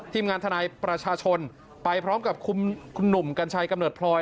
ทีมงานทนายประชาชนไปพร้อมกับคุณหนุ่มกัญชัยกำเนิดพลอย